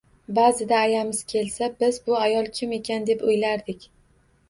Ba’zida ayamiz kelsa, biz bu ayol kim ekan, deb o‘ylardik